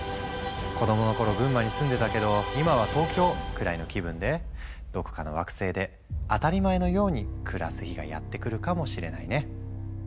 「子供の頃群馬に住んでたけど今は東京」くらいの気分でどこかの惑星で当たり前のように暮らす日がやって来るかもしれないね。